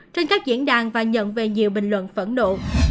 trên các diễn đàn và nhận về nhiều bình luận phẫn độ